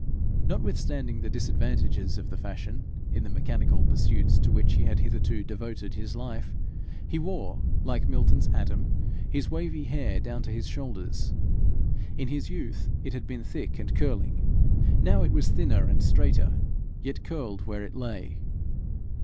Notwithstanding the disadvantages of the fashion, in the mechanical pursuits to which he had hitherto devoted his life, he wore, like Milton's Adam, his wavy hair down to his shoulders. In his youth, it had been thick and curling; now it was thinner and straighter, yet curled where it lay.